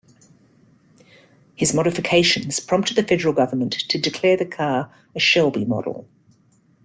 His modifications prompted the federal government to declare the car a Shelby model.